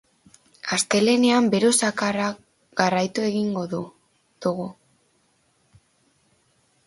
Astelehenean bero zakarraj jarraitu egingo du dugu.